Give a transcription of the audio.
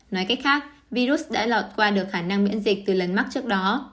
nói cách khác virus đã lọt qua được khả năng miễn dịch từ lần mắc trước đó